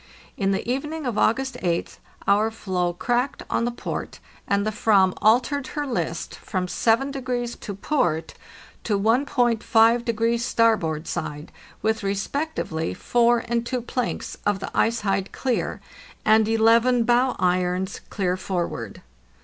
In the evening of August 8th our floe cracked on the port, and the "vam altered her list from 7 to port to 1.5° starboard side, with respectively four and two planks of the ice hide clear, and eleven bow irons clear forward.